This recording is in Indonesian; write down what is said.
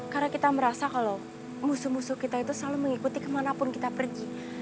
karena kita merasa kalau musuh musuh kita itu selalu mengikuti kemanapun kita pergi